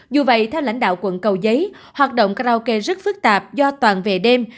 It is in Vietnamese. dù vậy theo lãnh đạo quận cầu giấy hoạt động karaoke rất phức tạp do toàn về đêm